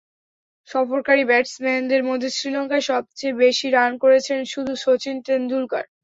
সফরকারী ব্যাটসম্যানদের মধ্যে শ্রীলঙ্কায় সবচেয়ে বেশি রান করেছেন শুধু শচীন টেন্ডুলকার।